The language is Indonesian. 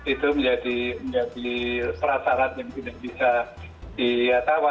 itu menjadi perasarat yang bisa ditawarkan agar tenaga kesehatan tersebut tidak tertular